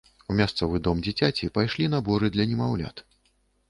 У мясцовы дом дзіцяці пайшлі наборы для немаўлят.